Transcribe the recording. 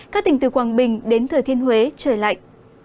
các tỉnh từ quảng bình đến thừa thiên huế trời lạnh